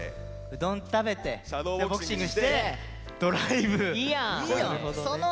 うどん食べてでボクシングしてドライブ。